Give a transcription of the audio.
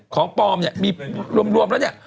ของปลอมเนี่ยมีรวมแล้วเนี่ย